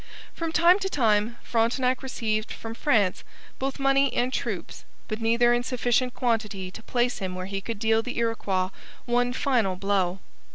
From time to time Frontenac received from France both money and troops, but neither in sufficient quantity to place him where he could deal the Iroquois one final blow.